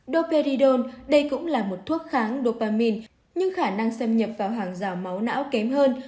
dopiridone đây cũng là một thuốc kháng dopamine nhưng khả năng xem nhập vào hàng rào máu não kém hơn